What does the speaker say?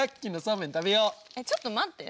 えっちょっと待って。